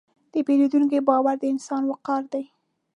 د پیرودونکي باور د انسان وقار دی.